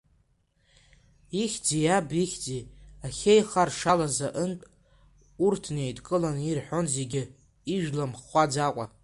Ихьӡи иаб ихьӡи ахьеихаршалаз аҟынтә, урҭ неидкыланы ирҳәон зегьы, ижәла мхәаӡакәа.